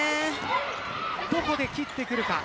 どこで切ってくるか。